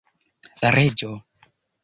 reĝo